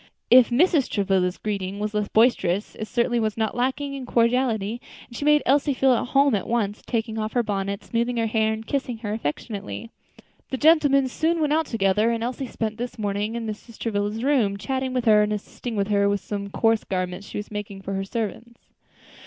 If Mrs. Travilla's greeting was less boisterous, it certainly was not lacking in cordiality, and she made Elsie feel at home at once; taking off her bonnet, smoothing her hair, and kissing her affectionately. The gentlemen soon went out together, and Elsie spent the morning in Mrs. Travilla's room, chatting with her and assisting her with some coarse garments she was making for her servants.